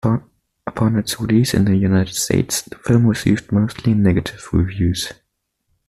Upon its release in the United States, the film received mostly negative reviews.